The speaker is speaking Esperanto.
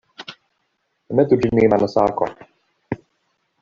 Metu ĝin je mansako.